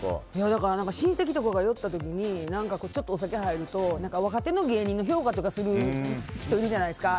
親戚とかが酔った時にちょっとお酒入ると若手の芸人の評価とかする人いるじゃないですか。